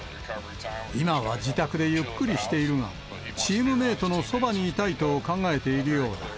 今は自宅でゆっくりしているが、チームメートのそばにいたいと考えているようだ。